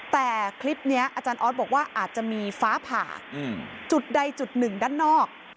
แต่คลิปนี้อาจารย์ออสบอกว่าอาจจะมีฟ้าผ่าจุดใดจุดหนึ่งด้านนอก